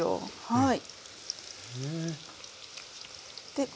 はい。